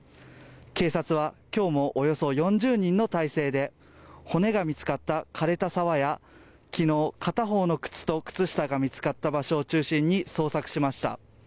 警察は今日もおよそ４０人の態勢で骨が見つかった枯れた沢や、昨日、片方の靴と靴下が見つかった場所を中心に捜索しました。